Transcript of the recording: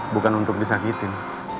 bukan untuk disakitin